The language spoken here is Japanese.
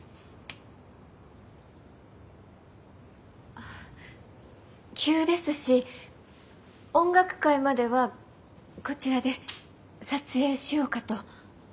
あ急ですし音楽会まではこちらで撮影しようかと。